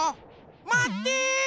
まって！